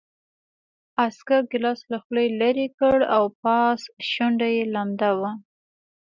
عسکر ګیلاس له خولې لېرې کړ او پاس شونډه یې لمده وه